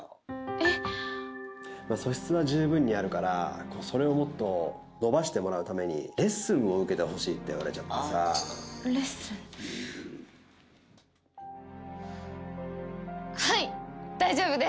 えっまあ素質は十分にあるからそれをもっと伸ばしてもらうためにレッスンを受けてほしいって言われちゃってさレッスンはい大丈夫です